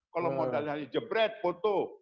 kalau modalnya jebret foto